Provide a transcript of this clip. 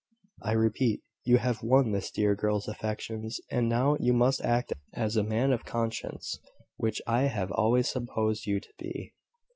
I repeat, you have won this dear girl's affections; and now you must act as a man of conscience, which I have always supposed you to be."